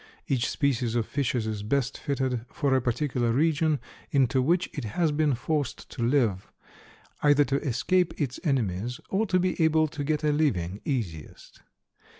Each species of fishes is best fitted for a particular region into which it has been forced to live, either to escape its enemies or to be able to get a living easiest.